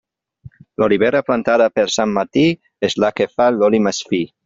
L'olivera plantada per Sant Martí és la que fa l'oli més fi.